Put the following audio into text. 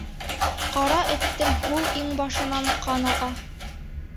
Ҡара Эттең һул иңбашынан ҡан аға.